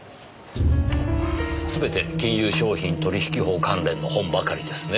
すべて金融商品取引法関連の本ばかりですね。